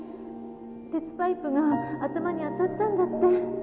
鉄パイプが頭に当たったんだって・